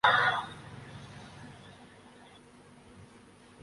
قرآن پاک مسلمانوں کی مقدس کتاب ہے